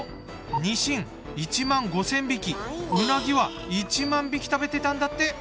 ニシン１５，０００匹ウナギは１０，０００匹食べてたんだって。